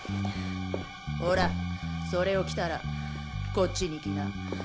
ほらそれを着たらこっちに来な。